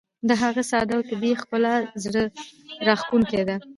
د هغې ساده او طبیعي ښکلا زړه راښکونکې ده.